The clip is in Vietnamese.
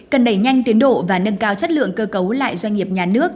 cần đẩy nhanh tiến độ và nâng cao chất lượng cơ cấu lại doanh nghiệp nhà nước